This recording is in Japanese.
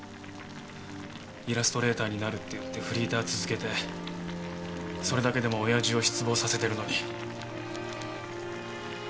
イラストレーターになるっていってフリーター続けてそれだけでも親父を失望させてるのに。